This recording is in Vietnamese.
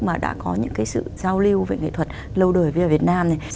mà đã có những cái sự giao lưu về nghệ thuật lâu đời với việt nam